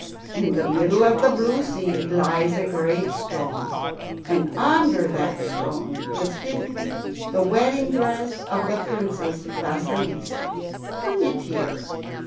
In the middle of the blue sea lies a great stone, and under that stone is hidden the wedding dress of the Princess Vasilissa. Bring it here."